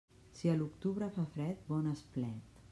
Si a l'octubre fa fred, bon esplet.